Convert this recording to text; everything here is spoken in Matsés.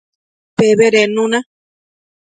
Pebedednu na